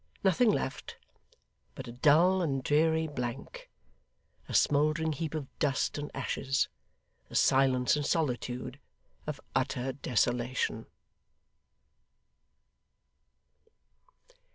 Nothing left but a dull and dreary blank a smouldering heap of dust and ashes the silence and solitude of utter desolation.